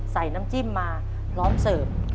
ใส่น้ำจิ้มมาพร้อมเสิร์ฟ